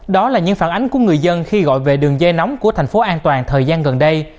đó là những phản ánh của người dân khi gọi về đường dây nóng của thành phố an toàn thời gian gần đây